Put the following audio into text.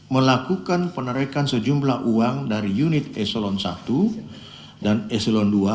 melakukan penerikan sejumlah uang dari unit eslon satu dan eslon dua